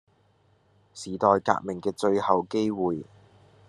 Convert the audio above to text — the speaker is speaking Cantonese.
時代革命嘅最後機會